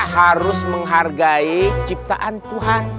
harus menghargai ciptaan tuhan